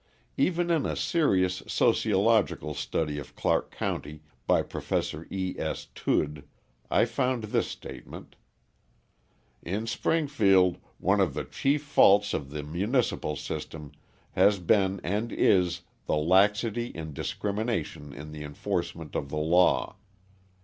Even in a serious sociological study of Clark County by Professor E. S. Tood, I find this statement: In Springfield, one of the chief faults of the municipal system has been and is the laxity and discrimination in the enforcement of the law.